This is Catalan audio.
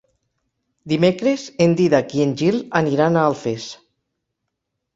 Dimecres en Dídac i en Gil aniran a Alfés.